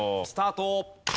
スタート。